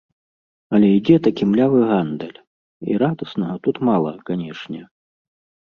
Але ідзе такі млявы гандаль і радаснага тут мала, канешне.